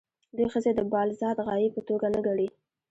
دوی ښځې د بالذات غایې په توګه نه ګڼي.